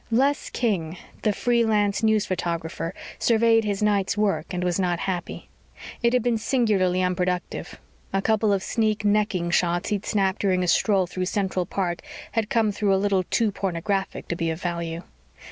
Les King, the free lance news photographer, surveyed his night's work and was not happy. It had been singularly unproductive. A couple of sneak necking shots he'd snapped during a stroll through Central Park had come through a little too pornographic to be of value.